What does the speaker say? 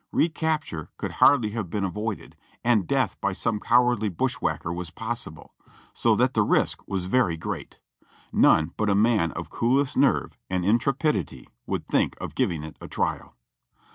Recapture could hardly have been avoided, and death by some cowardly bushwhacker was possible, so that the risk was very great. None but a man of coolest nerve and intrepidity would think of giving it a trial.